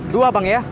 dua bang ya